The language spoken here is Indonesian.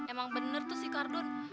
emang bener tuh si kardun